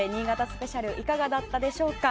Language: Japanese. スペシャルいかがだったでしょうか。